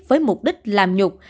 với mục đích làm nhục